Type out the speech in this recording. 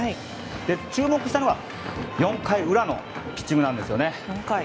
注目したのは４回裏のピッチングなんです。